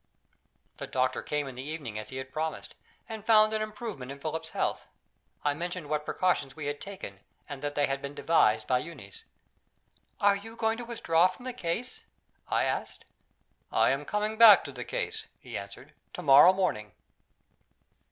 The doctor came in the evening, as he had promised, and found an improvement in Philip's health. I mentioned what precautions we had taken, and that they had been devised by Euneece. "Are you going to withdraw from the case?" I asked. "I am coming back to the case," he answered, "to morrow morning."